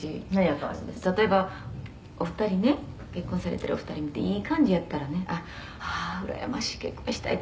「例えばお二人ね結婚されてるお二人見ていい感じやったらねああうらやましい！